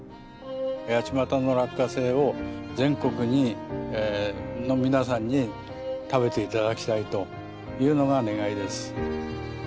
八街の落花生を全国の皆さんに食べて頂きたいというのが願いです。